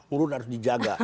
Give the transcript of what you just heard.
murud harus dijaga